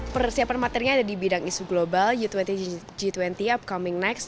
persiapan materinya ada di bidang isu global g dua puluh upcoming next